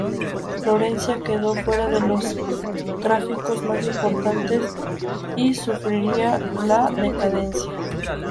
Florencia quedó fuera de los tráficos más importantes, y sufriría la decadencia.